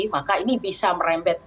maka ini bisa merembet